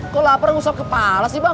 kok lapar ngusap kepala sih bang